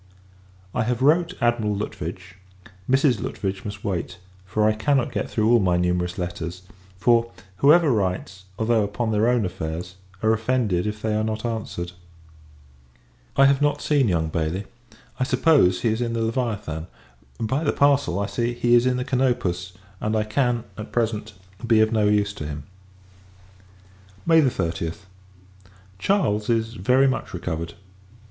I have wrote Admiral Lutwidge; Mrs. Lutwidge must wait, for I cannot get through all my numerous letters: for, whoever writes, although upon their own affairs, are offended if they are not answered. I have not seen young Bailey: I suppose, he is in the Leviathan. By the parcel, I see, he is in the Canopus; and I can, at present, be of no use to him. May 30th. Charles is very much recovered.